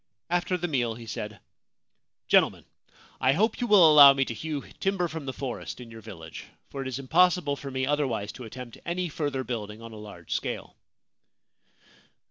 After the meal he said :' Gentlemen, I hope you will allow me to hew timber from the forest in your village, for it is impossible for me otherwise to attempt any further building on a large scale.'